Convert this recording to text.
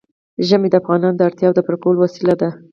ژمی د افغانانو د اړتیاوو د پوره کولو وسیله ده.